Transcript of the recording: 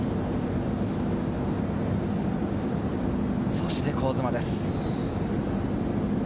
そして香妻です。